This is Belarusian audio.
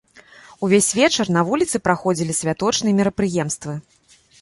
Увесь вечар на вуліцы праходзілі святочныя мерапрыемствы.